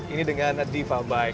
ini dengan diva bike